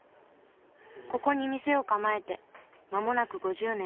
ここに店を構えて間もなく５０年。